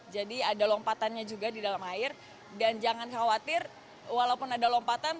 jadi ada lompatannya juga di dalam air dan jangan khawatir walaupun ada lompatan